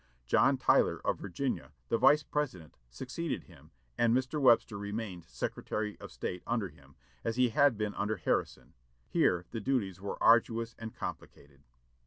John Tyler, of Virginia, the Vice President, succeeded him, and Mr. Webster remained Secretary of State under him, as he had been under Harrison. Here the duties were arduous and complicated.